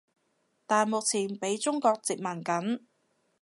但目前畀中國殖民緊